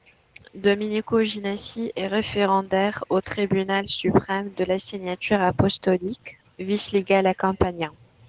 Domenico Ginnasi est référendaire au tribunal suprême de la Signature apostolique, vice-légat à Campagna.